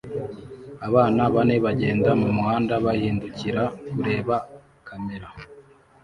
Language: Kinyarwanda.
Abana bane bagenda mumuhanda bahindukira kureba kamera